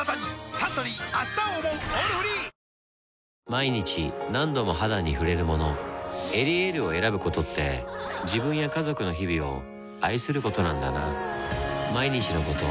毎日何度も肌に触れるもの「エリエール」を選ぶことって自分や家族の日々を愛することなんだなぁ